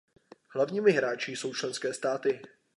Hlavními hráči jsou členské státy.